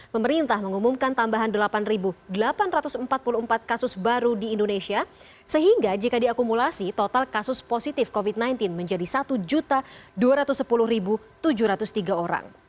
pemerintah mengumumkan tambahan delapan delapan ratus empat puluh empat kasus baru di indonesia sehingga jika diakumulasi total kasus positif covid sembilan belas menjadi satu dua ratus sepuluh tujuh ratus tiga orang